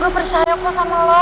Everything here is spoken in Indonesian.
gue percaya kok sama lo